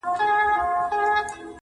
جادوگري جادوگر دي اموخته کړم.